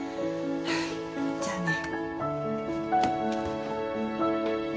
じゃあね。